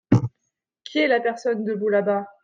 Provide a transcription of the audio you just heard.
Qui est la personne debout là-bas ?